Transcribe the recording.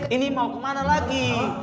ini mau kemana lagi